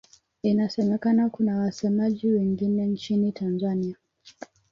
Inasemekana kuna wasemaji wengine nchini Tanzania.